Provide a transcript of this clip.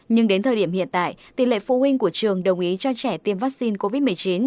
nhưng đến thời điểm hiện tại tỷ lệ phụ huynh của trường đồng ý cho trẻ tiêm vaccine covid một mươi chín